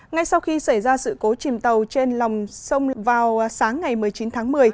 ngay sau khi xảy ra sự cố chìm tàu trên lòng sông vào sáng ngày một mươi chín tháng một mươi